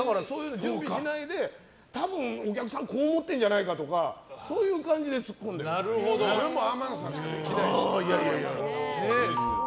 準備しないで、多分お客さんこう思ってるんじゃないかとかそれも天野さんしかできないし。